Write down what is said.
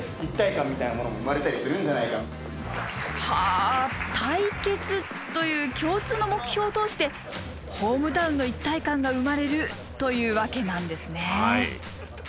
はあ対決という共通の目標を通してホームタウンの一体感が生まれるというわけなんですね。